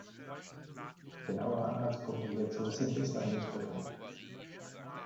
Genaue Anhaltspunkte hierzu sind bislang nicht bekannt.